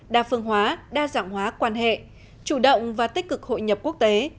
đa phương hóa đa dạng hóa quan hệ chủ động và tích cực hội nhập quốc tế